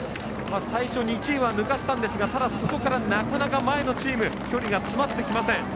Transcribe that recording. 最初２チームは抜かしたんですがただ、そこからなかなか前のチームとの距離が縮まってきません。